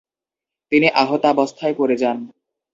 তিনি আহতাবস্থায় পড়ে যান।